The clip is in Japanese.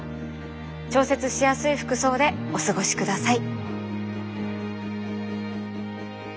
調節しやすい服装でお過ごしください。